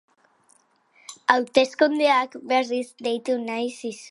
Hauteskundeak berriz deitu nahi zituzten.